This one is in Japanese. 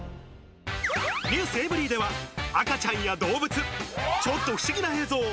ｎｅｗｓｅｖｅｒｙ．では、赤ちゃんや動物、ちょっと不思議な映像。